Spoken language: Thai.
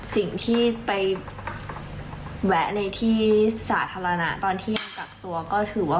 สิ่งที่ไปแวะในที่สาธารณะตอนที่ยังกักตัวก็ถือว่า